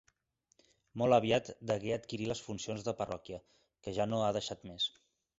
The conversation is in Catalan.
Molt aviat degué adquirir les funcions de parròquia, que ja no ha deixat més.